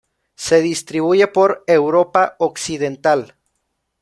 Se distribuye por Europa occidental.